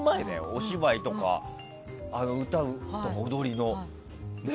お芝居とか歌と踊りの。